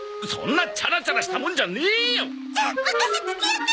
そんなチャラチャラしたもんじゃねえよ！